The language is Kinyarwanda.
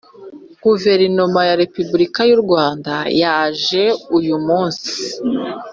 Guverinoma ya Repubulika y u Rwanda yaje uyumunsi